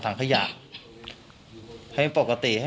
จากนั้นก็จะนำมาพักไว้ที่ห้องพลาสติกไปวางเอาไว้ตามจุดนัดต่าง